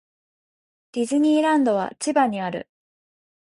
ディズニーランドは千葉にある。